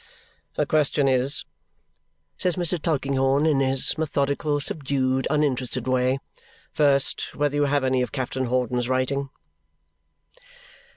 "The question is," says Mr. Tulkinghorn in his methodical, subdued, uninterested way, "first, whether you have any of Captain Hawdon's writing?"